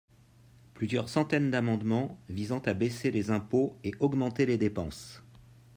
plusieurs centaines d’amendements visant à baisser les impôts et augmenter les dépenses.